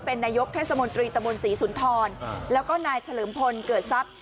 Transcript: เป็นนายกเทศมนตรีตะบนศรีสุนทรแล้วก็นายเฉลิมพลเกิดทรัพย์